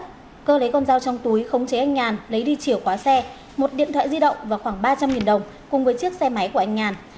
đó cơ lấy con dao trong túi khống chế anh nhàn lấy đi chìa khóa xe một điện thoại di động và khoảng ba trăm linh đồng cùng với chiếc xe máy của anh nhàn